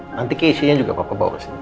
nanti kecenya juga papa bawa kesini ya